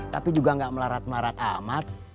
tapi juga gak melarat melarat amat